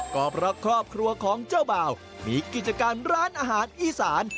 ก็เพราะครอบครัวของเจ้าบ่าวมีกิจการร้านอาหารอีสาน